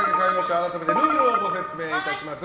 あらためてルールをご説明いたします。